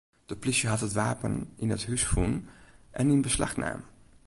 De plysje hat it wapen yn it hús fûn en yn beslach naam.